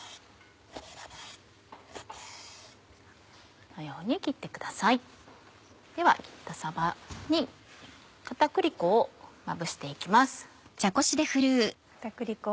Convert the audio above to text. このように切ってください。では切ったさばに片栗粉をまぶして行きます。